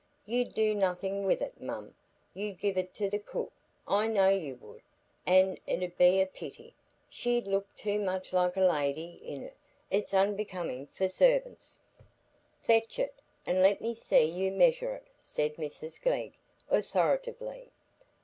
"You'd do nothing with it, mum, you'd give it to the cook, I know you would, an' it 'ud be a pity,—she'd look too much like a lady in it; it's unbecoming for servants." "Fetch it, and let me see you measure it," said Mrs Glegg, authoritatively.